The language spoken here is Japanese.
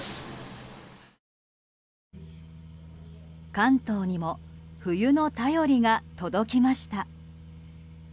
関東にも冬の便りが届きました。